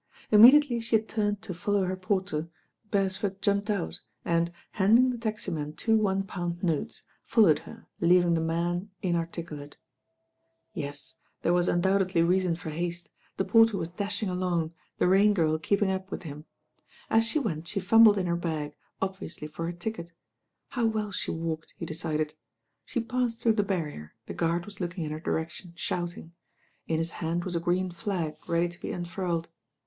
Immediately she had turned to follow her por ter, Beresford jumped out and, handing the taxi man two one pound notes, followed her, leaving the man marticulate. Yes, there was undoubtedly reason for haste, the 126 THE RAIN OmL porter was dashing along, the Rain Girl keeping up with him. As she went she fumbled in her bag, ob viously for her ticket. How well she walked, he decided. She passed through the barrier, the guard was looking in her direction shouting. In his hand was a green flag ready to be unfurled.